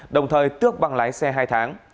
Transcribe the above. đồng thời tước bằng lái xe hai tháng